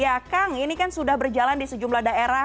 ya kang ini kan sudah berjalan di sejumlah daerah